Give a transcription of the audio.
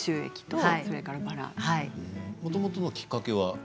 もともとのきっかけは？